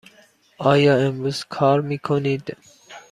آیا امروز کار می کنید؟